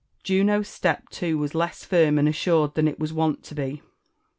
Juno's step too was less firm and assui:ed than it was wont to be.